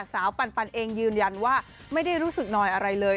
ปันเองยืนยันว่าไม่ได้รู้สึกนอยอะไรเลย